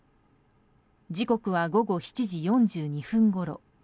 時刻は午後７時４２分ごろ。